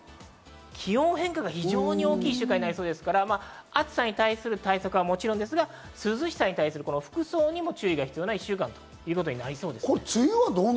気温変化が非常に大きい１週間になりそうですから、暑さに対する対策はもちろん、涼しさに対する服装にも注意が必梅雨はどうなりそうですか？